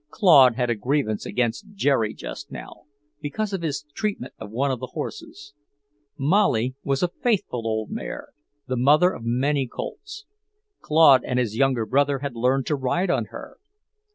Claude had a grievance against Jerry just now, because of his treatment of one of the horses. Molly was a faithful old mare, the mother of many colts; Claude and his younger brother had learned to ride on her.